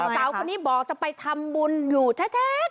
สาวคนนี้บอกจะไปทำบุญอยู่แท้